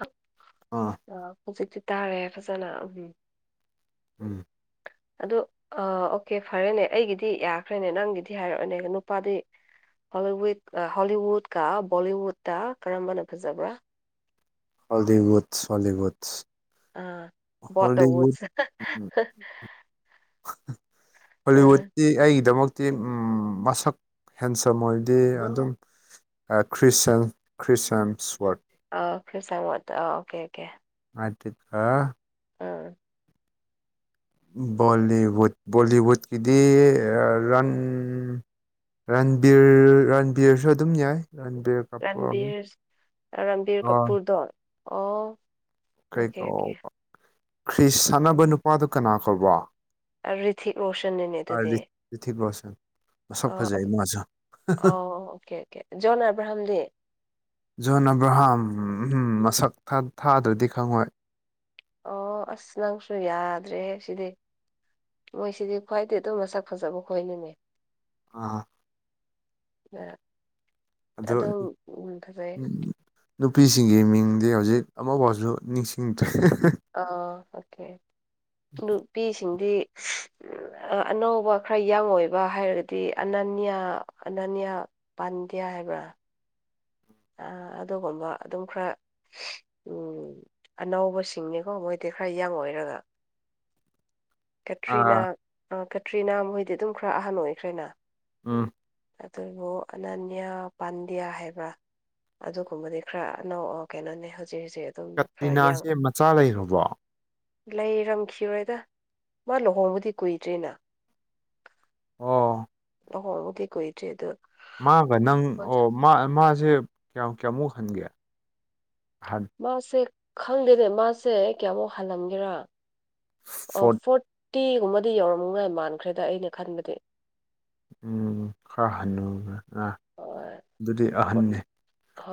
ꯑ ꯑꯥ ꯑ ꯍꯧꯖꯤꯛꯇꯤ ꯇꯥꯔꯦ ꯐꯖꯅ ꯎꯝ ꯎꯝ ꯑ ꯑꯣꯀꯦ ꯐꯔꯦꯅꯦ ꯑꯩꯒꯤꯗꯤ ꯌꯥꯈ꯭ꯔꯦꯅꯦ ꯅꯪꯒꯤꯗꯤ ꯍꯥꯏꯔꯛꯑꯣꯅꯦ ꯅꯨꯄꯥꯗꯤ ꯍꯣꯂꯤꯋꯨꯗ ꯍꯣꯂꯤꯋꯨꯗꯀ ꯕꯣꯂꯤꯋꯨꯗꯇꯥ ꯀꯔꯝꯕꯅ ꯐꯖꯕ꯭ꯔꯥ ꯍꯂꯤꯋꯨꯠꯁ ꯍꯣꯂꯤꯋꯨꯠꯁ ꯑꯥ ꯄꯣꯠꯇꯧ ꯋꯨꯠꯁ ꯑꯥ ꯍꯣꯂꯤꯋꯨꯠꯇꯤ ꯑꯩꯒꯤꯗꯃꯛꯇꯤ ꯃꯁꯛ ꯍꯦꯟꯁ ꯑꯣꯏꯗꯤ ꯑꯗꯨꯝ ꯈ꯭ꯔꯤꯁꯟ ꯈ꯭ꯔꯤꯁꯟꯁꯋꯔꯠ ꯑꯥ ꯐꯤꯔꯁꯣꯗ ꯑ ꯑꯣꯀꯦ ꯑꯣꯀꯦ ꯑꯗꯨꯀ ꯑꯥ ꯕꯣꯂꯤꯋꯨꯠꯀꯤꯗꯤ ꯔꯟ ꯔꯟꯕꯤꯔ ꯔꯟꯕꯤꯔꯁꯨ ꯑꯗꯨꯝ ꯌꯥꯏ ꯔꯟꯕꯤꯔ ꯀꯄꯨꯔ ꯔꯝꯕꯤꯔ ꯔꯝꯕꯤꯔ ꯑꯥ ꯀꯄꯨꯔꯗꯣ ꯑꯣ ꯀꯩ ꯑꯣꯀꯦ ꯀ ꯑꯣꯀꯦ ꯈ꯭ꯔꯤꯁ ꯁꯥꯟꯅꯕ ꯅꯨꯄꯥꯗꯨ ꯀꯅꯥ ꯀꯧꯕ ꯔꯤꯊꯤꯛ ꯃꯣꯁꯟꯅꯦꯅꯦ ꯑꯗꯨꯗꯤ ꯊꯛ ꯂꯣꯁ ꯅ ꯁꯛ ꯑꯣ ꯐꯖ ꯍꯥꯏ ꯑꯗꯨ ꯃꯖ ꯑꯣ ꯑꯣꯀꯦ ꯑꯣꯀꯦ ꯖꯣꯟ ꯑꯦꯕ꯭ꯔꯥꯍꯥꯝ ꯗ ꯖꯣꯟ ꯑꯕ꯭ꯔꯍꯥꯝ ꯃꯁꯛ ꯊꯥꯗ꯭ꯔꯗꯤ ꯈꯪꯉꯣꯏ ꯑꯣ ꯑꯁ ꯅꯪꯁꯨ ꯌꯥꯗ꯭ꯔꯦꯍ ꯁꯤꯗꯤ ꯃꯣꯏꯁꯤꯗꯤ ꯈ꯭ꯋꯥꯏꯩ ꯑꯗꯨꯝ ꯃꯁꯛ ꯐꯖꯕ ꯈꯣꯏꯍꯅꯤꯅꯦ ꯑꯥ ꯑ ꯑꯗꯨ ꯑꯗꯣ ꯐꯔꯦ ꯅꯨꯄꯤꯁꯤꯡꯒꯤ ꯃꯤꯡꯗꯤ ꯍꯧꯖꯤꯛ ꯑꯃꯐꯥꯎꯁꯨ ꯅꯤꯡꯁꯤꯡꯗ꯭ꯔꯦ ꯑ ꯑꯣꯀꯦ ꯅꯨꯄꯤꯁꯤꯡꯗꯤ ꯑꯅꯧꯕ ꯈꯔ ꯌꯪ ꯑꯣꯏꯕ ꯍꯥꯏꯔꯒꯗꯤ ꯑꯅꯟꯌꯥ ꯑꯅꯟꯌꯥ ꯄꯥꯟꯗ꯭ꯌꯥ ꯍꯥꯏꯕ꯭ꯔ ꯑ ꯑꯗꯨꯒꯨꯝꯕ ꯑꯗꯨꯝ ꯈꯔ ꯎꯝ ꯑꯅꯧꯕꯁꯤꯡꯅꯤꯀꯣ ꯃꯣꯏꯗꯤ ꯈꯔ ꯌꯥ ꯑꯣꯏꯔꯒ [inaudible] ꯀꯇ꯭ꯔꯤꯅꯥ ꯑꯥ ꯀꯇ꯭ꯔꯤꯅꯥ ꯃꯣꯏꯗꯤ ꯑꯗꯨꯝ ꯈꯔ ꯑꯍꯟ ꯑꯣꯏꯈ꯭ꯔꯦꯅ ꯎꯝ ꯑꯗꯨꯕꯨ ꯑꯅꯅꯤꯌꯥ ꯄꯥꯟꯗꯌꯥ ꯍꯥꯏꯕ꯭ꯔ ꯑꯗꯨꯒꯨꯝꯕꯗꯤ ꯈꯔ ꯑꯅꯧ ꯀꯩꯅꯣꯅꯦ ꯍꯧꯖꯤꯛ ꯍꯧꯖꯤꯛ ꯑꯗꯨꯝ ꯈꯔ ꯀꯇ꯭ꯔꯤꯅꯥꯁꯦ ꯃꯆꯥ ꯂꯩꯔꯕꯣ ꯂꯩꯔꯝꯈꯤꯔꯦꯗ ꯃꯥ ꯂꯨꯍꯣꯡꯕꯗꯤ ꯀꯨꯏꯗ꯭ꯔꯤꯅ ꯑꯣ ꯑꯣ ꯍꯒꯦ ꯀꯣꯏꯗ꯭ꯔꯤ ꯑꯗꯨ ꯃꯥꯒ ꯅꯪ ꯑꯣ ꯃꯥ ꯃꯥꯁꯦ ꯀꯌꯥꯝ ꯀꯌꯥꯃꯨꯛ ꯍꯟꯒꯦ ꯃꯥꯁꯦ ꯈꯪꯗꯦꯅꯦ ꯃꯥꯁꯦ ꯀꯌꯥꯃꯨꯛ ꯍꯜꯂꯝꯒꯦꯔ ꯐꯣꯔꯠ ꯇꯤꯒꯨꯝꯕꯗꯤ ꯌꯧꯔꯝꯃꯉꯥꯏ ꯃꯥꯟꯈ꯭ꯔꯦꯗ ꯑꯩꯅ ꯈꯟꯕꯗꯤ ꯎꯝ ꯈꯔ ꯍꯅꯨꯒꯔꯦ ꯑ ꯍꯣꯏ ꯑꯗꯨꯗꯤ ꯑꯍꯟꯅꯤ ꯐꯣꯔꯇꯤ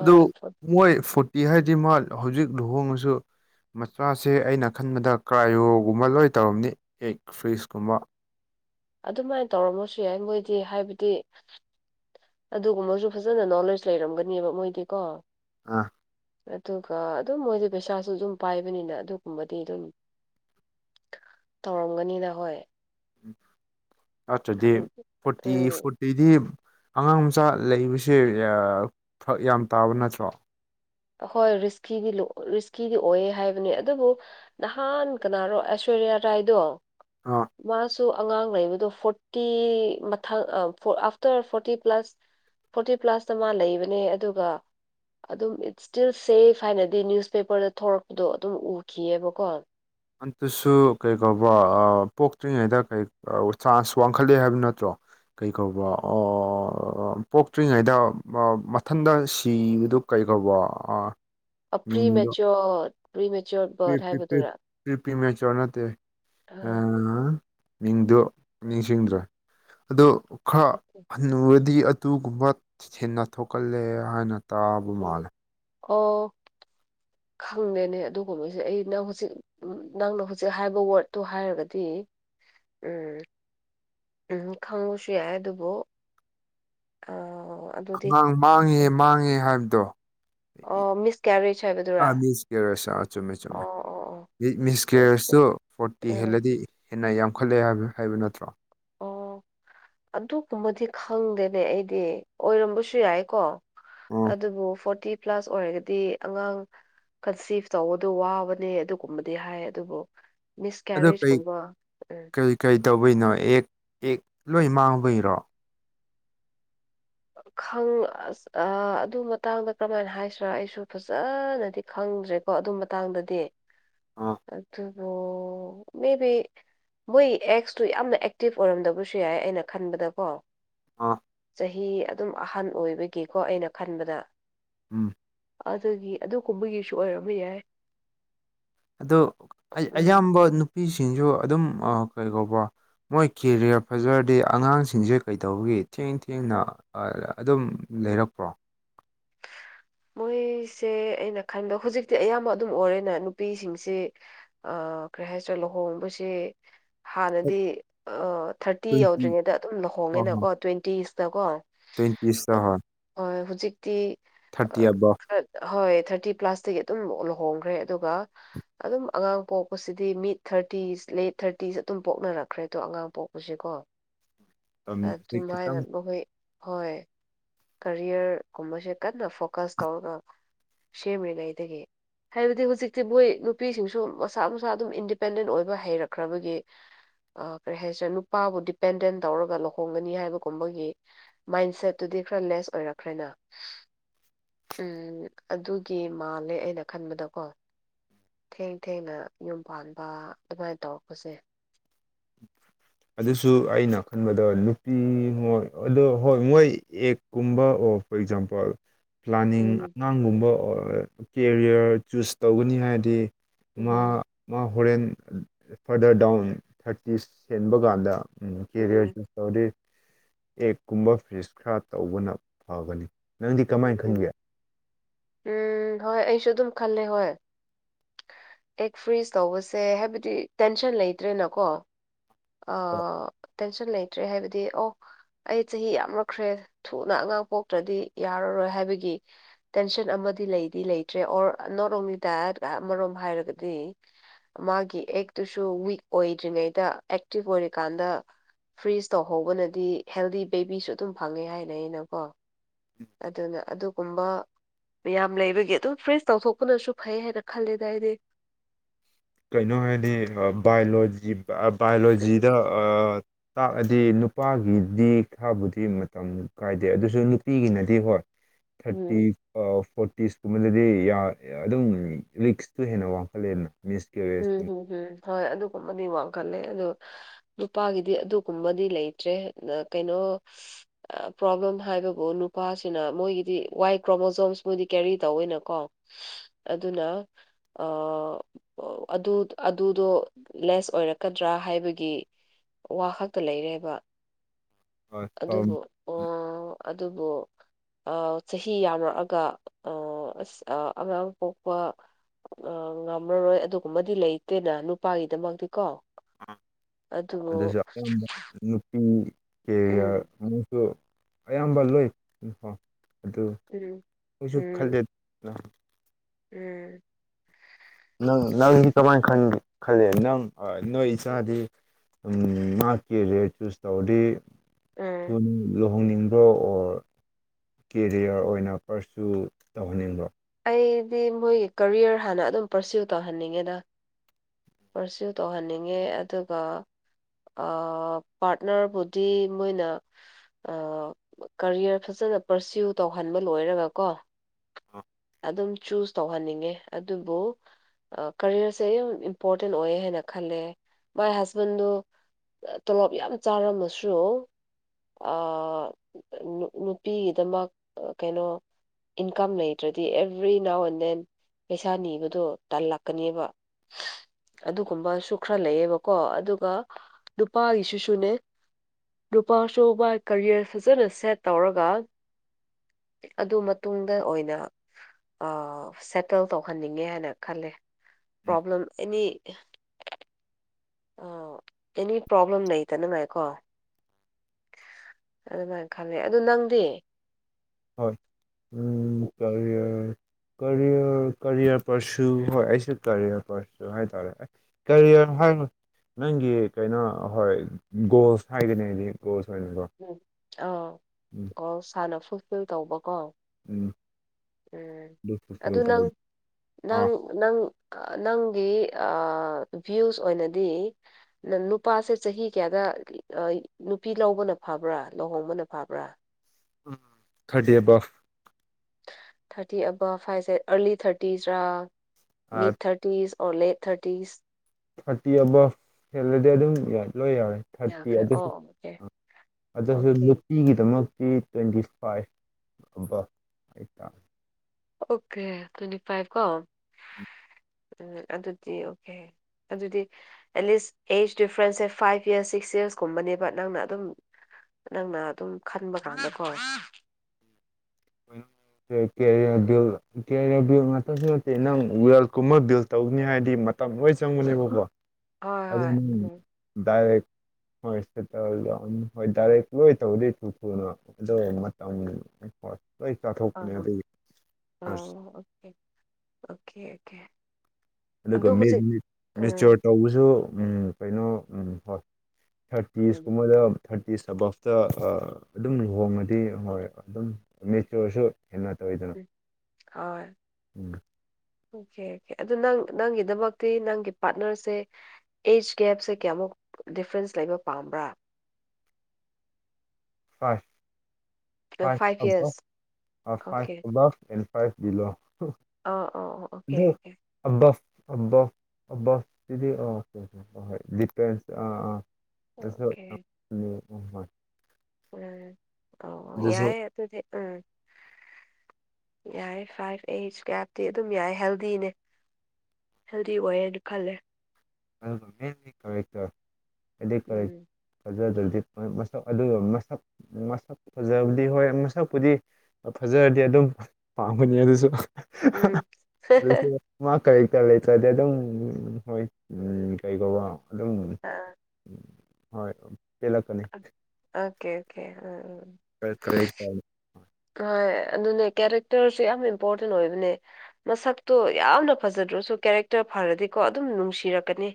ꯑꯗꯨ ꯃꯣꯏ ꯐꯨꯠ ꯇꯤ ꯍꯥꯏꯗꯤ ꯃꯥ ꯍꯧꯖꯤꯛ ꯂꯨꯍꯣꯡꯉꯁꯨ ꯃꯆꯥꯁꯦ ꯑꯩꯅ ꯈꯟꯕꯗ ꯀ꯭ꯔꯥꯏꯌꯣꯒꯨꯝꯕ ꯂꯣꯏ ꯇꯧꯔꯝꯅꯤ ꯑꯦꯛ ꯐ꯭ꯔꯤꯖꯀꯨꯝꯕ ꯑꯗꯨꯃꯥꯏꯅ ꯇꯧꯔꯝꯃꯁꯨ ꯌꯥꯏ ꯃꯣꯏꯗꯤ ꯍꯥꯏꯕꯗꯤ ꯑꯗꯨꯒꯨꯝꯕꯁꯨ ꯐꯖꯅ ꯅꯣꯂꯦꯖ ꯂꯩꯔꯝꯒꯅꯤꯕ ꯃꯣꯏꯗꯤ ꯀꯣ ꯑꯥ ꯑꯗꯨꯒ ꯑꯗꯨꯝ ꯃꯣꯏꯗꯤ ꯄꯩꯁꯥꯁꯨ ꯑꯗꯨꯝ ꯄꯥꯏꯕꯅꯤꯅ ꯑꯗꯨꯒꯨꯝꯕꯗꯤ ꯑꯗꯨꯝ ꯇꯧꯔꯝꯒꯅꯤꯅ ꯍꯣꯏ ꯑꯠꯇꯔꯗꯤ ꯐꯣꯔꯇꯤ ꯎꯝ ꯐꯨꯠ ꯄꯤꯗꯤ ꯑꯉꯥꯡ ꯃꯆꯥ ꯂꯩꯕꯁꯦ ꯌꯥ ꯐꯛ ꯌꯥꯝ ꯇꯥꯕ ꯅꯠꯇ꯭ꯔꯣ ꯍꯣꯏ ꯔꯤꯁꯀꯤꯗꯤ ꯂꯣ ꯔꯤꯁꯀꯤꯗꯤ ꯑꯣꯏꯌꯦ ꯍꯥꯏꯕꯅꯦ ꯑꯗꯨꯕꯨ ꯅꯍꯥꯟ ꯀꯅꯥꯔꯣ ꯑꯥꯏꯁꯣꯔꯤꯌꯥ ꯔꯥꯏꯗꯣ ꯑꯥ ꯃꯥꯁꯨ ꯑꯉꯥꯡ ꯂꯩꯕꯗꯣ ꯐꯣꯔꯇꯤ ꯃꯊꯪ ꯑ ꯑꯥꯐꯇꯔ ꯐꯣꯔꯇꯤ ꯄ꯭ꯂꯁ ꯐꯣꯔꯇꯤ ꯄ꯭ꯂꯁꯇ ꯃꯥ ꯂꯩꯕꯅꯦ ꯑꯗꯨꯒ ꯑꯗꯨꯝ ꯁ꯭ꯇꯤꯜ ꯁꯦꯐ ꯍꯥꯏꯅꯗꯤ ꯅ꯭ꯌꯨꯁꯄꯦꯄꯔꯗ ꯊꯣꯛꯔꯛꯄꯗꯣ ꯑꯗꯨꯝ ꯎꯈꯤꯑꯦꯕꯀꯣ ꯑꯟꯇꯨꯁꯨ ꯀꯩ ꯀꯧꯕꯔꯥ ꯑ ꯄꯣꯛꯇ꯭ꯔꯤꯉꯩꯗ ꯀꯔꯤ ꯆꯥꯟꯁ ꯋꯥꯡꯈꯠꯂꯦ ꯍꯥꯏꯕ ꯅꯠꯇ꯭ꯔꯣ ꯀꯩ ꯀꯧꯕ ꯑ ꯄꯣꯛꯇ꯭ꯔꯤꯉꯩꯗ ꯃꯊꯟꯇ ꯁꯤꯕꯗꯨ ꯀꯩ ꯀꯧꯕ ꯑ ꯑꯣꯄ꯭ꯔꯤ ꯃꯦꯆꯣꯔ ꯄ꯭ꯔꯤ ꯃꯦꯆꯣꯔ ꯄꯤ ꯕꯔꯠ ꯄꯤ ꯄꯤ ꯍꯥꯏꯕꯗꯨꯔ ꯄꯤꯄꯤ ꯃꯦꯆꯣꯠ ꯅꯠꯇꯦ ꯑ ꯃꯤꯡꯗꯨ ꯅꯤꯡꯁꯤꯡꯗ꯭ꯔꯦ ꯑꯗꯨ ꯈꯔ ꯅꯨꯨꯔꯗꯤ ꯑꯗꯨꯒꯨꯝꯕ ꯁꯦꯟꯅ ꯊꯣꯛꯀꯜꯂꯦ ꯍꯥꯏꯅ ꯇꯥꯕ ꯃꯥꯜꯂꯦ ꯑꯣ ꯈꯪꯗꯦꯅꯦ ꯑꯗꯨꯒꯨꯝꯕꯁꯦ ꯑꯩ ꯅꯪ ꯍꯧꯖꯤꯛ ꯅꯪꯅ ꯍꯧꯖꯤꯛ ꯍꯥꯏꯕ ꯋꯥꯔꯗꯠꯇꯣ ꯍꯥꯏꯔꯒꯗꯤ ꯎꯝ ꯎꯝ ꯈꯪꯉꯣꯁꯨ ꯌꯥꯏ ꯑꯗꯨꯕꯨ ꯑ ꯑꯗꯨꯗꯤ ꯑꯉꯥꯡ ꯃꯥꯡꯉꯦ ꯃꯥꯡꯉꯦ ꯍꯥꯏꯕꯗꯣ ꯑꯣ ꯃꯤꯁ ꯀꯦꯔꯦꯖ ꯍꯥꯏꯕꯗꯨꯔꯥ ꯑꯥꯗꯨ ꯁꯦꯔꯁ ꯑ ꯆꯨꯝꯃꯦ ꯆꯨꯝꯃꯦ ꯑꯣ ꯑꯣ ꯑꯣ ꯃꯤꯁ ꯀꯦꯔꯤꯌꯁꯇꯨ ꯐꯣꯔꯇꯤ ꯎꯝ ꯍꯦꯜꯂꯗꯤ ꯍꯦꯟꯅ ꯌꯥꯝꯈꯠꯂꯦ ꯍꯥꯏꯕ ꯍꯥꯏꯕ ꯅꯠꯇ꯭ꯔꯣ ꯑꯣ ꯑꯗꯨꯒꯨꯝꯕꯗꯤ ꯈꯪꯗꯦꯅꯦ ꯑꯩꯗꯤ ꯑꯣꯏꯔꯝꯕꯁꯨ ꯌꯥꯏꯀꯣ ꯎꯝ ꯑꯗꯨꯕꯨ ꯐꯣꯔꯇꯤ ꯄ꯭ꯂꯁ ꯑꯣꯏꯔꯗꯤ ꯑꯉꯥꯡ ꯀꯟꯁꯤꯐ ꯇꯧꯕꯗꫭ ꯋꯥꯕꯅꯦ ꯑꯗꯨꯒꯨꯝꯕꯗꯤ ꯍꯥꯏ ꯑꯗꯨꯕꯨ ꯃꯤꯁ ꯑꯗꯨ ꯀꯩ ꯀꯦꯔꯦꯖꯀꯨꯝꯕ ꯎꯝ ꯀꯩ ꯀꯔꯤ ꯇꯧꯕꯩꯅꯣ ꯑꯦꯛ ꯑꯦꯛ ꯂꯣꯏ ꯃꯥꯡꯕꯩꯔꯣ ꯈꯪ ꯑꯁ ꯑꯥ ꯑꯗꯨ ꯃꯇꯥꯡꯗ ꯀꯔꯝꯃꯥꯏꯅ ꯍꯥꯏꯁꯤꯔꯥ ꯑꯩꯁꯨ ꯐꯖꯅꯗꯤ ꯈꯪꯗ꯭ꯔꯦ ꯀꯣ ꯑꯗꯨ ꯃꯇꯥꯡꯗꯗꯤ ꯑꯥ ꯑꯗꯨꯕꯨ ꯃꯦꯕꯤ ꯃꯣꯏ ꯑꯦꯛꯁꯇꯨ ꯌꯥꯝꯅ ꯑꯦꯛꯇꯤꯚ ꯑꯣꯏꯔꯝꯗꯕꯁꯨ ꯌꯥꯏ ꯑꯩꯅ ꯈꯟꯕꯗꯀꯣ ꯑꯥ ꯆꯍꯤ ꯑꯗꯨꯝ ꯑꯍꯟ ꯑꯣꯏꯕꯒꯤꯀꯣ ꯑꯩꯅ ꯈꯟꯕꯗ ꯎꯝ ꯑꯗꯨꯒꯤ ꯑꯗꯨꯒꯨꯝꯕꯒꯤꯁꯨ ꯑꯣꯏꯔꯝꯕ ꯌꯥꯏ ꯑꯗꯣ ꯑ ꯎꯝ ꯑꯌꯥꯝꯕ ꯅꯨꯄꯤꯁꯤꯡꯁꯨ ꯑꯗꯨꯝ ꯑ ꯀꯩ ꯀꯧꯕꯔꯥ ꯃꯣꯏ ꯀꯦꯔꯤꯌꯔ ꯐꯖꯔꯗꯤ ꯑꯉꯥꯡꯁꯤꯡꯁꯦ ꯀꯩꯗꯧꯕꯒꯤ ꯊꯦꯡ ꯊꯦꯡꯅ ꯑꯑꯗꯨꯝ ꯂꯩꯔꯛꯄ꯭ꯔꯣ ꯃꯣꯏꯁꯦ ꯑꯩꯅ ꯈꯟꯕ ꯍꯧꯖꯤꯛꯇꯤ ꯑꯌꯥꯝꯕ ꯑꯗꯨꯝ ꯑꯣꯏꯔꯦꯅ ꯅꯨꯄꯤꯁꯤꯡꯁꯦ ꯑ ꯀꯔꯤ ꯍꯥꯏꯁꯤꯔ ꯂꯨꯍꯣꯡꯕꯁꯦ ꯍꯥꯟꯅꯗꯤ ꯑ ꯊꯥꯔꯇꯤ ꯇ꯭ꯋꯦꯟꯇꯤ ꯌꯧꯗ꯭ꯔꯤꯉꯩꯗ ꯑꯗꯨꯝ ꯑ ꯂꯨꯍꯣꯡꯉꯦꯅꯀꯣ ꯇ꯭ꯋꯦꯟꯇꯤꯁ ꯗꯀꯣ [unintelligible] ꯍꯣꯏ ꯍꯧꯖꯤꯛꯇꯤ ꯊꯥꯔꯇꯤ ꯑ, ꯑꯕꯚ ꯈꯔ ꯍꯣꯏ ꯊꯥꯔꯇꯤ ꯄ꯭ꯂꯁꯇꯒꯤ ꯑꯗꯨꯝ ꯂꯨꯍꯣꯡꯈ꯭ꯔꯦ ꯑꯗꯨꯒ ꯑꯗꯨꯝ ꯑꯉꯥꯡ ꯄꯣꯛꯄꯁꯤꯗꯤ ꯃꯤꯠ ꯊꯥꯔꯇꯤꯁ ꯂ‌ꯦꯠ ꯊꯥꯔꯇꯤꯁ ꯑꯗꯨꯝ ꯄꯣꯛꯅꯔꯛꯈ꯭ꯔꯦꯗꯣ ꯑꯉꯥꯡ ꯄꯣꯛ ꯄꯨꯁꯤꯀꯣ ꯃꯇꯝꯁꯦ ꯑꯗꯨꯃꯥꯏꯅ ꯈꯤꯇꯪ ꯃꯈꯣꯏ ꯍꯣꯏ ꯀꯔꯤꯌꯔꯒꯨꯝꯕꯁꯦ ꯀꯟꯅ ꯐꯣꯀꯁ ꯇꯧꯔꯒ ꯁꯦꯝꯃꯤꯉꯩꯗꯒꯤ ꯍꯥꯏꯕꯗꯤ ꯍꯧꯖꯤꯛꯇꯤ ꯃꯣꯏ ꯅꯨꯄꯤꯁꯤꯡꯁꯨ ꯃꯁꯥ ꯃꯁꯥ ꯑꯗꯨꯝ ꯏꯟꯗꯤꯄꯦꯟꯗꯦꯟ ꯑꯣꯏꯕ ꯍꯩꯔꯛꯈ꯭ꯔꯕꯒꯤ ꯑ ꯀꯔꯤ ꯍꯥꯏꯁꯦ ꯅꯨꯄꯥꯕꯨ ꯗꯤꯄꯦꯟꯗꯦꯟ ꯇꯧꯔꯒ ꯂꯨꯍꯣꯡꯒꯅꯤ ꯍꯥꯏꯕꯒꯨꯝꯕꯒꯤ ꯃꯥꯏꯟꯁꯦꯠꯇꯨꯗꯤ ꯈꯔ ꯂꯦꯁ ꯑꯣꯏꯔꯛꯈ꯭ꯔꯦꯅ ꯎꯝ ꯑꯗꯨꯒꯤ ꯃꯥꯜꯂꯦ ꯑꯩꯅ ꯈꯟꯕꯗꯀꯣ ꯊꯦꯡ ꯊꯦꯡꯅ ꯌꯨꯝ ꯄꯥꯟꯕ ꯑꯗꯨꯃꯥꯏꯅ ꯇꯧꯔꯛꯄꯁꯦ ꯑꯗꯨꯁꯨ ꯑꯩꯅ ꯈꯟꯕꯗꯣ ꯅꯨꯄꯤ ꯃꯣꯏ ꯑꯣ ꯍꯣꯏ ꯃꯣꯏ ꯑꯦ ꯀꯨꯝꯕ ꯑꯣꯐ ꯐꯣꯔ ꯑꯦꯛꯖꯥꯝꯄꯜ ꯄ꯭ꯂꯥꯅꯤꯡ ꯎꯝ ꯑꯉꯥꯡꯒꯨꯝꯕ ꯀꯦꯔꯤꯌꯔ ꯆꯨꯁ ꯇꯧꯒꯅꯤ ꯍꯥꯏꯔꯗꯤ ꯎꯝ ꯃꯥ ꯃꯥ ꯍꯣꯔꯦꯟ ꯐꯔꯗꯔ ꯗꯥꯎꯟ ꯊꯥꯔꯇꯤ ꯍꯦꯟꯕ ꯀꯥꯟꯗ ꯀꯦꯔꯤꯌꯔ ꯎꯝ ꯆꯨꯁ ꯇꯧꯔꯗꯤ ꯑꯦꯛꯀꯨꯝꯕ ꯐꯔꯤꯖ ꯈꯔ ꯇꯧꯕꯅ ꯐꯕꯅꯤ ꯅꯪꯗꯤ ꯀꯃꯥꯏꯟ ꯎꯝ ꯈꯟꯒꯦ ꯎꯝ ꯍꯣꯏ ꯑꯩꯁꯨ ꯑꯗꯨꯝ ꯈꯜꯂꯦ ꯍꯣꯏ ꯑꯦꯛ ꯐ꯭ꯔꯤꯖ ꯇꯧꯕꯁꯦ ꯍꯥꯏꯕꯗꯤ ꯇꯦꯟꯁꯟ ꯂꯩꯇ꯭ꯔꯦꯅꯀꯣ ꯑꯥ ꯇꯦꯟꯁꯟ ꯂꯩꯇ꯭ꯔꯦ ꯍꯥꯏꯕꯗꯤ ꯑꯣ ꯑꯩ ꯆꯍꯤ ꯌꯥꯝꯃꯛꯈ꯭ꯔꯦ ꯊꯨꯅ ꯑꯉꯥꯡ ꯄꯣꯛꯇ꯭ꯔꯗꯤ ꯌꯥꯔꯔꯣꯏ ꯍꯥꯏꯕꯒꯤ ꯇꯦꯟꯁꯟ ꯑꯃꯗꯤ ꯂꯩꯗꯤ ꯂꯩꯇ꯭ꯔꯦ ꯑꯣꯔ ꯅꯣꯠ ꯑꯣꯡꯂꯤ ꯗꯦꯠ ꯑꯃꯔꯣꯝ ꯍꯥꯏꯔꯒꯗꯤ ꯃꯥꯒꯤ ꯑꯦꯛꯇꯨꯁꯨ ꯋꯤꯛ ꯑꯣꯏꯗ꯭ꯔꯤꯉꯩꯗ ꯑꯦꯛꯇꯤꯚ ꯑꯣꯏꯔꯤꯀꯥꯟꯗ ꯐ꯭ꯔꯤꯖ ꯇꯧꯍꯧꯕꯅꯗꯤ ꯍꯦꯜꯗꯤ ꯕꯦꯕꯤꯁꯨ ꯑꯗꯨꯝ ꯐꯪꯉꯦ ꯍꯥꯏꯅ ꯑꯩꯅ ꯀꯣ ꯑꯗꯨꯅ ꯑꯗꯨꯒꯨꯝꯕ ꯌꯥꯝ ꯂꯩꯕꯒꯤ ꯑꯗꯨꯝ ꯐ꯭ꯔꯦꯁ ꯇꯧꯊꯣꯛꯄꯅꯁꯨ ꯐꯩ ꯍꯥꯏꯅ ꯈꯜꯂꯦꯗ ꯑꯩꯗꯤ ꯀꯩꯅꯣ ꯍꯥꯏꯗꯤ ꯕꯥꯏꯌꯣꯂꯣꯖꯤ ꯕꯥꯏꯌꯣꯂꯣꯖꯤꯗ ꯇꯥꯛꯑꯗꯤ ꯅꯨꯄꯥꯒꯤꯗꯤ ꯈꯔꯥꯕꯨꯗꯤ ꯃꯇꯝ ꯀꯥꯏꯗꯦ ꯑꯗꯨꯁꯨ ꯅꯨꯄꯤꯒꯤꯅꯗꯤ ꯍꯣꯏ ꯊꯥꯔꯇꯤ ꯎꯝ ꯑꯥ ꯐꯣꯔꯇꯤꯁꯀꯨꯝꯕꯗꯗꯤ ꯌꯥ ꯑꯗꯨꯝ ꯂꯤꯛꯁꯇꯨ ꯍꯦꯟꯅ ꯋꯥꯡꯈꯠꯂꯦꯗꯅ ꯃꯤꯁ ꯎꯝ ꯀꯦꯔꯦꯖꯀꯨꯝꯕ ꯍꯝ ꯎꯝ ꯍꯣꯏ ꯑꯗꯨꯒꯨꯝꯕꯗꯤ ꯋꯥꯡꯈꯠꯂꯦ ꯑꯣ ꯅꯨꯄꯥꯒꯤꯗꯤ ꯑꯗꯨꯒꯨꯝꯕꯗꯤ ꯂꯩꯇ꯭ꯔꯦ ꯀꯩꯅꯣ ꯄ꯭ꯔꯣꯕ꯭ꯂꯦꯝ ꯍꯥꯏꯕꯕꯨꯣ ꯅꯨꯄꯥꯁꯤꯅ ꯃꯣꯏꯒꯤꯗꯤ ꯋꯥꯏꯠ ꯀ꯭ꯔꯣꯃꯣꯖꯣꯝꯁ [unintelligible] ꯀꯦꯔꯤ ꯇꯧꯋꯦꯅꯀꯣ ꯑꯗꯨꯅ ꯑꯣ ꯑꯗꯨ ꯑꯗꯨꯗꯣ ꯂꯦꯁ ꯑꯣꯏꯔꯛꯀꯗ꯭ꯔꯥ ꯍꯥꯏꯕꯒꯤ ꯋꯥ ꯈꯛꯇ ꯂꯩꯔꯦꯕ ꯍꯣꯏ ꯇꯧ ꯑꯗꯨꯕꯨ ꯑꯣ ꯑꯗꯨꯕꯨ ꯑ ꯆꯍꯤ ꯌꯥꯝꯔꯛꯑꯒ ꯑ ꯑꯁ ꯑ ꯑꯉꯥꯡ ꯄꯣꯛꯄ ꯑ ꯉꯝꯃꯔꯣꯏ ꯑꯗꯨꯒꯨꯝꯃꯗꯤ ꯂꯩꯇꯦꯅ ꯅꯨꯄꯥꯒꯤꯗꯃꯛꯇꯤ ꯀꯣ ꯑꯗꯣ ꯇꯤ ꯀꯦꯔꯤꯌꯔ ꯑꯃꯁꯨ ꯑꯌꯥꯝꯕ ꯂꯨ ꯑꯗꯨ ꯎꯝ ꯑꯩꯁꯨ ꯎꯝ ꯈꯜꯂꯦ ꯅ ꯎꯝ [inaudible] ꯅꯪ ꯅꯪꯗꯤ ꯀꯃꯥꯏꯅ ꯈꯟꯒꯦ ꯈꯜꯂꯦ ꯅꯪ ꯅꯣꯏ ꯏꯆꯥꯗꯤ ꯃꯥ ꯀꯦꯔꯤꯌꯠ ꯆꯨꯁ ꯇꯧꯔꯗꯤ ꯎꯝ ꯊꯅꯤ [unintelligible] ꯍꯣꯡꯅꯤꯡꯕ꯭ꯔꯣ ꯑꯣꯔ ꯀꯦꯔꯤꯌꯔ ꯑꯣꯏꯅ ꯄꯔꯁꯨ ꯇꯧꯍꯟꯅꯤꯡꯕ꯭ꯔꯣ ꯑꯩꯗꯤ ꯃꯣꯏꯒꯤ ꯀꯦꯔꯤꯌꯔ ꯍꯥꯟꯅ ꯑꯗꯨꯝ ꯄꯔꯁꯤꯌꯨ ꯇꯧꯍꯟꯅꯤꯡꯉꯦꯗ ꯄꯔꯁꯤꯎ ꯇꯧꯍꯟꯅꯤꯡꯉꯦ ꯑꯗꯨꯒ ꯑꯥ ꯄꯥꯔꯠꯅꯔꯕꯨꯗꯤ ꯃꯣꯏꯅ ꯀꯔꯤꯌꯔ ꯐꯖꯅ ꯄꯔꯁꯤꯌꯨ ꯇꯧꯍꯟꯕ ꯂꯣꯏꯔꯒꯀꯣ [unintelligible] ꯑꯗꯨꯝ ꯆꯨꯁ ꯇꯧꯍꯟꯅꯤꯡꯉꯦ ꯑꯗꯨꯕꯨ ꯀ꯭ꯔꯤꯌꯔꯁꯦ ꯏꯝꯄꯣꯔꯇꯦꯟ ꯑꯣꯏꯌꯦꯅ ꯈꯜꯂꯦ ꯃꯥꯏ ꯍꯁꯕꯦꯟꯗꯨ ꯇꯣꯂꯣꯞ ꯌꯥꯝ ꯆꯥꯔꯝꯃꯁꯨ ꯑ ꯅꯨꯄꯤꯒꯤꯗꯃꯛ ꯀꯩꯅꯣ ꯏꯟꯀꯝ ꯂꯩꯇ꯭ꯔꯗꯤ ꯑꯦꯕ꯭ꯔꯤ ꯅꯥꯎ ꯑꯦꯟ ꯗꯦꯟ ꯄꯩꯁꯥ ꯅꯤꯕꯗꯣ ꯇꯜꯂꯛꯀꯅꯤꯕ ꯑꯗꯨꯒꯨꯝꯕꯁꯨ ꯈꯔ ꯂꯩꯌꯦꯕꯀꯣ ꯑꯗꯨꯒ ꯅꯨꯄꯥꯒꯤꯁꯤꯁꯨꯅꯦ ꯅꯨꯄꯥꯁꯨ ꯃꯥ ꯀꯔꯤꯌꯔ ꯐꯖꯅ ꯁꯦꯠ ꯇꯧꯔꯒ ꯑꯗꯨ ꯃꯇꯨꯡꯗ ꯑꯣꯏꯅ ꯑꯥ ꯁꯦꯇꯜ ꯇꯧꯍꯟꯅꯤꯡꯉꯦ ꯍꯥꯏꯅ ꯈꯜꯂꯦ ꯄ꯭ꯔꯣꯕ꯭ꯂꯦꯝ ꯑꯦꯅꯤ ꯑ ꯑꯦꯅꯤ ꯄ꯭ꯔꯣꯕ꯭ꯂꯦꯝ ꯂꯩꯇꯅꯤꯡꯉꯥꯏ ꯀꯣ ꯑꯗꯨꯃꯥꯏꯅ ꯈꯜꯂꯦ ꯑꯗꯨ ꯅꯪꯗꯤ ꯍꯣꯏ ꯎꯝ ꯀꯦꯔꯤꯌꯔ ꯀꯔꯤꯌꯔ ꯀꯔꯤꯌꯔ ꯄꯔꯁꯨ ꯍꯣꯏ ꯑꯩꯁꯨ ꯀꯔꯤꯌꯔ ꯄꯔꯁꯨ ꯍꯥꯏꯇꯥꯔꯦ ꯀꯔꯤ ꯍꯥꯏꯅꯣ ꯅꯪꯒꯤ ꯀꯩꯅꯣ ꯍꯣꯏ ꯒꯣꯜꯁ ꯍꯥꯏꯒꯅꯦꯗꯤ ꯒꯣꯜꯁ ꯑꯣꯏꯅꯀꯣ ꯎꯝ ꯑꯣ ꯎꯝ ꯒꯣꯜꯁ ꯍꯥꯟꯅꯥ ꯐꯨꯜꯐꯤꯜ ꯇꯧꯕꯀꯣ ꯎꯝ ꯎꯝ ꯑꯗꯨ ꯐꯨꯜꯐꯤꯜ ꯅꯪ ꯇꯧ ꯅꯪ ꯑꯥ ꯅꯪ ꯅꯪꯒꯤ ꯚ꯭ꯌꯨꯁ ꯑꯣꯏꯅꯗꯤ ꯅ ꯅꯨꯄꯥꯁꯦ ꯆꯍꯤ ꯀꯌꯥꯗ ꯅꯨꯄꯤ ꯂꯧꯕꯅ ꯐꯕ꯭ꯔꯥ ꯂꯨꯍꯣꯡꯕꯅ ꯐꯕ꯭ꯔꯥ ꯎꯝ ꯊꯥꯔꯇꯤ ꯑꯕꯚ ꯊꯥꯔꯇꯤ ꯑꯕꯞ ꯍꯥꯏꯁꯦ ꯑꯔꯂꯤ ꯊꯥꯔꯇꯤ ꯔꯥ ꯑꯥ mid thirties or late thirties thirty above ꯍꯦꯜꯂꯗꯤ ꯑꯗꯨꯝ ꯌꯥꯏ ꯂꯣꯏ ꯌꯥꯎꯔꯦ ꯊꯥꯔꯇꯤ ꯌꯥꯈ꯭ꯔꯦ ꯑꯗꯨꯁꯨ ꯑꯣ ꯑꯣꯀꯦ ꯑꯗꯨꯁꯨ ꯑꯣꯀꯦ ꯅꯨꯄꯤꯒꯤꯗꯃꯛꯇꯤ ꯇ꯭ꯋꯦꯟꯇꯤ ꯐꯥꯏꯚ [unintelligible] ꯍꯥꯏꯇꯥꯔꯦ ꯑꯣꯀꯦ ꯇ꯭ꯋꯦꯟꯇꯤ ꯐꯥꯏꯚ ꯀꯣ ꯎꯝ ꯑꯗꯨꯗꯤ ꯑꯣꯀꯦ ꯑꯗꯨꯗꯤ ꯑꯦꯠꯂꯤꯁ ꯑꯦꯖ ꯗꯤꯐ꯭ꯔꯦꯟꯁꯁꯦ ꯐꯥꯏꯚ ꯌꯔꯁ ꯁꯤꯛꯁ ꯌꯔꯁꯀꯨꯝꯕꯅꯦꯕ ꯅꯪꯅ ꯑꯗꯨꯝ ꯅꯪꯅ ꯑꯗꯨꯝ ꯈꯟꯕ ꯀꯥꯟꯗꯀꯣ ꯦꯕꯤ ꯀꯦꯔꯤꯌ ꯕꯤꯜ ꯉꯥꯛꯁꯨ ꯅꯠꯇꯦ ꯅꯪꯋ ꯀꯕꯤꯜ ꯇꯧꯅꯤ ꯍꯥꯏꯗꯤ ꯃꯇꯝ ꯂꯣꯏ ꯆꯪꯒꯅꯦꯕꯀꯣ ꯍꯣꯏ ꯍꯣꯏ ꯑꯗꯨꯅ ꯎꯝ ꯗꯥꯏꯔꯦꯛ ꯍꯣꯏ ꯍꯣꯏ ꯗꯥꯏꯔꯦꯛ ꯂꯣꯏ ꯇꯧꯗꯤ ꯊꯨ ꯊꯨꯅ [inaudible] ꯑꯗꯨ ꯃꯇꯝ ꯂꯣꯏ ꯀꯥꯊꯣꯛꯄꯅꯦ ꯑꯪ ꯑꯗꯨꯒꯤ ꯑꯣ ꯐꯥꯔꯁ ꯑꯣꯀꯦ ꯑꯣꯀꯦ ꯑꯗꯨꯣ ꯑꯗꯣ ꯃꯤ ꯍꯧꯖꯤꯛ ꯎꯝ ꯃꯤꯆꯣꯠ ꯇꯧꯕꯁꯨ ꯀꯩꯅꯣ ꯍꯣꯏ ꯎꯝ ꯊꯥꯔꯇꯤꯁꯀꯨꯝꯕꯗ ꯊꯥꯔꯇꯤꯁ ꯑꯕꯞꯇ ꯑꯗꯨꯝ ꯂꯨꯣꯡꯉꯗꯤ ꯍꯣꯏ ꯑꯗꯨꯝ ꯅꯦꯆꯔꯁꯨ ꯍꯩꯅ ꯇ ꯑꯣꯏꯣꯏ ꯑ ꯍꯣꯏ ꯑꯣꯀꯦ ꯑꯣꯀꯦ ꯑꯗꯨ ꯅꯪ ꯅꯪꯒꯤꯗꯃꯛꯇꯤ ꯅꯪꯒꯤ ꯄꯥꯔꯠꯅꯔꯁꯦ ꯑꯦꯖ ꯒꯦꯞꯁꯦ ꯀꯌꯥꯃꯨꯛ ꯗꯤꯐ꯭ꯔꯦꯟꯁ ꯂꯩꯕ ꯄꯥꯝꯕ꯭ꯔꯥ ꯐ five five years okay five [unintelligible] ꯑꯦꯟꯐ꯭ꯔꯥꯏꯁꯂꯣ [inaudible] ꯑꯣ ꯑꯣ ꯑꯣ ꯑꯣꯀꯦ ꯑꯣꯀꯦ [unintelligible] ꯍꯣꯏ ꯍꯣꯏ ꯂꯤꯗꯤꯄꯦꯟꯁ ꯑꯥ ꯑꯣꯀꯦ ꯑ ꯍꯣꯏ ꯎꯝ ꯑꯣ ꯌꯥꯏ ꯑꯗꯨꯗꯤ ꯎꯝ ꯌꯥꯏ ꯐꯥꯏꯚ ꯑꯩꯖ ꯀꯥꯏꯞꯇꯤ ꯑꯗꯨꯝ ꯌꯥꯏ ꯍꯦꯜꯗꯤꯅꯦ ꯍꯦꯜꯗꯤ ꯑꯣꯏꯌꯦꯅ ꯈꯜꯂꯦ ꯑꯗꯨꯒ ꯃꯦꯟꯒꯤ ꯀꯦꯔꯦꯛꯇꯔ ꯑꯗꯩ ꯀꯔꯦ ꯎꯝ ꯐꯖꯗ꯭ꯔꯗꯤꯁꯛ ꯑꯗꯨꯒ ꯃꯁꯛ ꯃꯁꯛ ꯐꯖꯕꯗꯤ ꯍꯣꯏ ꯃꯁꯛꯄꯨꯗꯤ ꯐꯖꯔꯗꯤ ꯑꯗꯨꯝ ꯄꯥꯝꯒꯅꯤ ꯑꯗꯨꯁꯨ ꯎꯝ ꯑꯗꯨꯁꯨ ꯃꯥ ꯀꯔꯤꯛꯇ ꯂꯩꯇ꯭ꯔꯗꯤ ꯑꯗꯨꯝ ꯍꯣꯏ ꯀꯩꯀ ꯑꯗꯨꯝ ꯑ ꯍꯣꯏ ꯆꯦꯜꯂꯛꯀꯅꯤ ꯑꯣꯀꯦ ꯑꯣꯀꯦ ꯎꯝ ꯎꯝ ꯀ ꯀꯔꯦꯛ ꯍꯣꯏ ꯑꯗꯨꯅꯦ ꯀꯦꯔꯦꯛꯇꯔꯁꯦ ꯌꯥꯝ ꯏꯝꯄꯣꯔꯇꯦꯟ ꯑꯣꯏꯕꯅꯦ ꯃꯁꯛꯇꯣ ꯌꯥꯝꯅ ꯐꯖꯗ꯭ꯔꯁꯨ ꯀꯦꯔꯦꯛꯇꯔ ꯐꯔꯗꯤꯀꯣ ꯑꯗꯨꯝ ꯅꯨꯡꯁꯤꯔꯛꯀꯅꯤ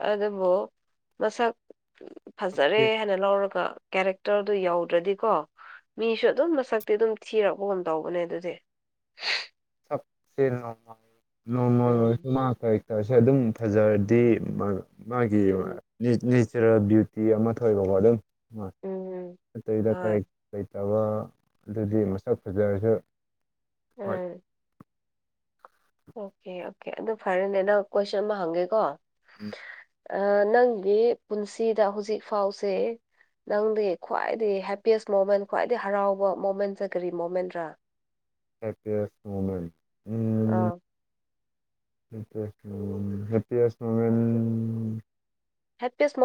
ꯑꯗꯨ ꯑꯗꯨꯝꯕꯣ ꯃꯁꯥ ꯐꯖꯔꯦ ꯍꯥꯏꯅ ꯂꯧꯔꯒ ꯀꯦꯔꯦꯛꯇꯔꯗꯨ ꯌꯥꯎꯗ꯭ꯔꯗꯤꯀꯣ ꯃꯤꯁꯨ ꯑꯗꯨꯝ ꯃꯁꯛꯇꯤ ꯑꯗꯨꯝ ꯊꯤꯔꯛꯄ ꯉꯝ ꯇꯧꯕꯅꯦ ꯑꯗꯨꯗꯤ ꯁꯁꯦ ꯅꯣꯡꯃꯣꯡꯃ ꯎꯝ ꯑꯣꯏꯁꯨ ꯃꯥ ꯇꯔꯁꯦ ꯑꯗꯨꯝ ꯐꯖꯔꯗꯤ ꯃꯥꯒꯤ ꯎꯝ ꯅꯦꯆꯔꯦꯜꯕꯨ ꯇꯤ ꯑꯃ ꯊꯣꯏ ꯐꯥꯎꯕ ꯑꯗꯨꯝ ꯎꯝ ꯎꯝ ꯑꯠꯇꯣꯏꯗ ꯍꯣꯏ ꯀꯔꯦꯛ ꯂꯩꯇꯕ ꯑꯗꯨꯗꯤ ꯃꯁꯛ ꯐꯖꯔꯁꯨ ꯍꯣꯏ ꯎꯝ ꯑꯣꯀꯦ ꯑꯣꯀꯦ ꯑꯗꯨ ꯐꯔꯦꯅꯦ ꯅꯪ ꯀꯣꯏꯁꯟ ꯑꯃ ꯍꯪꯒꯦꯀꯣ ꯎꯝ ꯑ ꯅꯪꯗꯤ ꯄꯨꯟꯁꯤꯗ ꯍꯧꯖꯤꯛ ꯐꯥꯎꯁꯦ ꯅꯪꯗꯤ ꯈ꯭ꯋꯥꯏꯗꯤ ꯍꯦꯄꯤꯑꯁ ꯃꯣꯃꯦꯟ ꯈ꯭ꯋꯥꯏꯗꯒꯤ ꯍꯔꯥꯎꯕ ꯃꯣꯃꯦꯟꯁꯦ ꯀꯔꯤ ꯃꯣꯃꯦꯟꯗ꯭ꯔꯥ ꯍꯦꯄꯤꯁ ꯃꯣꯃꯦꯟ ꯑꯥ ꯍꯦꯄꯤꯑꯁ ꯃꯣꯃꯦꯟ ꯍꯦꯄꯤꯌꯦꯁ ꯃꯣꯃꯦꯟ